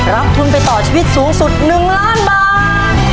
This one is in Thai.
รับทุนไปต่อชีวิตสูงสุด๑ล้านบาท